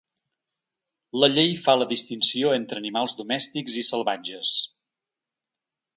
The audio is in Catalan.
La llei fa la distinció entre animals domèstics i salvatges.